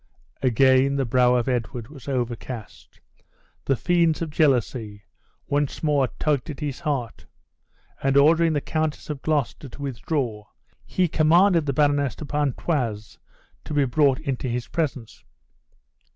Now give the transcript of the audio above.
Again the brow of Edward was overcast. The fiends of jealously once more tugged at his heart; and ordering the Countess of Gloucester to withdraw he commanded the Baroness de Pontoise to be brought into his presence.